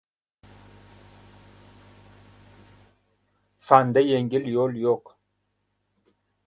• Fanda yengil yo‘l yo‘q.